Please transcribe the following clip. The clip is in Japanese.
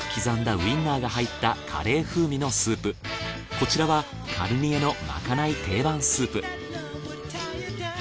こちらはかるにえのまかない定番スープ。